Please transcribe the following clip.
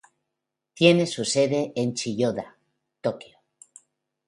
Tiene su sede en Chiyoda, Tokio.